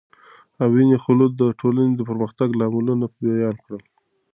ابن خلدون د ټولنې د پرمختګ لاملونه بیان کړل.